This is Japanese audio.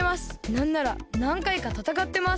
なんならなんかいかたたかってます。